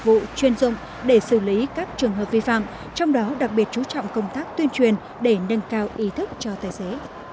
vụ chuyên dụng để xử lý các trường hợp vi phạm trong đó đặc biệt chú trọng công tác tuyên truyền để nâng cao ý thức cho tài xế